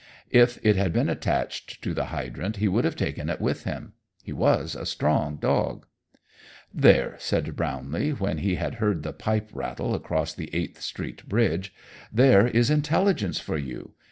If it had been attached to the hydrant, he would have taken it with him. He was a strong dog. "There!" said Brownlee, when we had heard the pipe rattle across the Eighth Street bridge "there is intelligence for you!